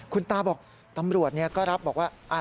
คุณตาบอกตำรวจก็รับบอกว่า